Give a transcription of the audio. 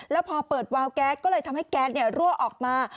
แล้วพอเปิดวาวแก๊สก็เลยทำให้แก๊สรั่วออกมา